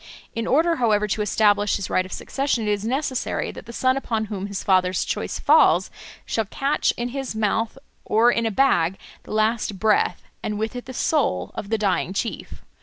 In order, however, to establish his right of succession, it is necessary that the son upon whom his father's choice falls shall catch in his mouth or in a bag the last breath, and with it the soul, of the dying chief.